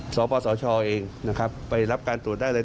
สปสชเองนะครับไปรับการตรวจได้เลย